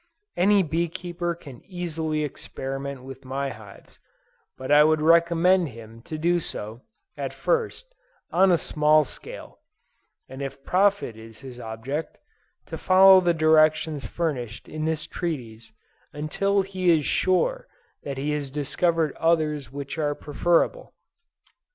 Any bee keeper can easily experiment with my hives: but I would recommend him to do so, at first, on a small scale, and if profit is his object, to follow the directions furnished in this treatise, until he is sure that he has discovered others which are preferable.